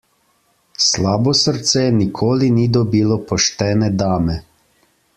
Slabo srce nikoli ni dobilo poštene dame.